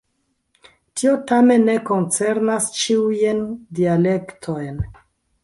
Tio tamen ne koncernas ĉiujn dialektojn.